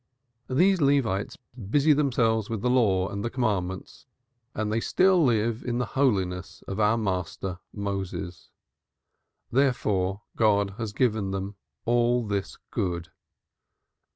These Levites busy themselves with the Law and with the commandments, and they still live in the holiness of our master, Moses; therefore, God has given them all this good.